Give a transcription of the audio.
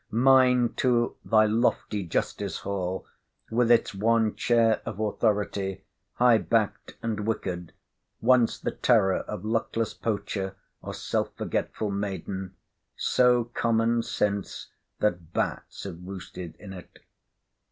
Mine too, thy lofty Justice Hall, with its one chair of authority, high backed and wickered, once the terror of luckless poacher, or self forgetful maiden—so common since, that bats have roosted in it.